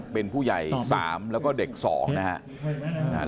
เป็นผู้ใหญ่๓แล้วก็เด็ก๒นะครับ